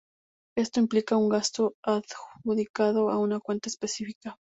Esto implica un gasto adjudicado a una cuenta específica.